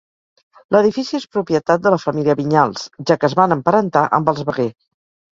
L'edifici és propietat de la família Vinyals, ja que es van emparentar amb els Veguer.